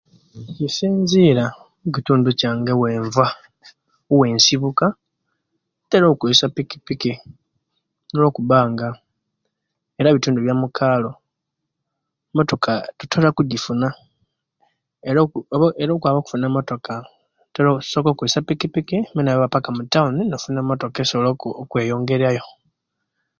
Kisinzirira mukitundu kyange owenva owensibuka ntera okozesya epikipiki nokubanga era bitundu byamukalo motoka tutera okugifuna era okwaba okufuna emotoka soka okozesya pikipiki notaba paka mutawuni nofuna motoka esobola okweyongerya yo